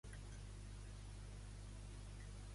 De què va treballar allí?